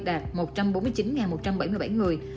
đạt một trăm bốn mươi chín một trăm bảy mươi bảy người